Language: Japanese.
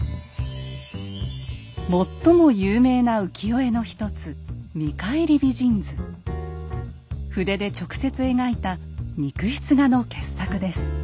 最も有名な浮世絵の一つ筆で直接描いた肉筆画の傑作です。